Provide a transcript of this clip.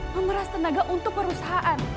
memeras tenaga untuk perusahaan